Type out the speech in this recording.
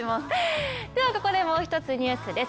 ここでもう一つニュースです。